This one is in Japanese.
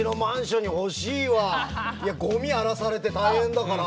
いやゴミ荒らされて大変だから。